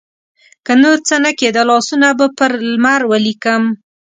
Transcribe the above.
که نورڅه نه کیده، لاسونه به پر لمر ولیکم